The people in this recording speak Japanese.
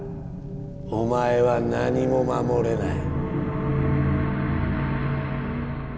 お前は何も守れない。